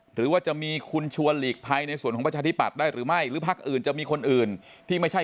หรือว่าจะมีคุณชวนหลีกภัยในส่วนของประชาธิปัตย์ได้หรือไม่หรือพักอื่นจะมีคนอื่นที่ไม่ใช่